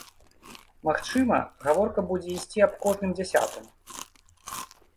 Магчыма, гаворка будзе ісці аб кожным дзясятым.